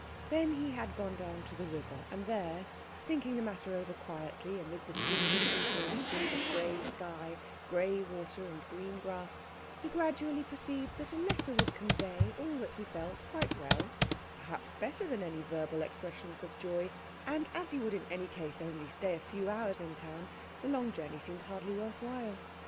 Then he had gone down to the river, and there, thinking the matter over quietly, amid the soothing influences of grey sky, grey water, and green grass, he gradually perceived that a letter would convey all that he felt quite well, perhaps better than any verbal expressions of joy, and as he would in any case only stay a few hours in town the long journey seemed hardly worth while.